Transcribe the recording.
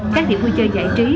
các điểm vui chơi giải trí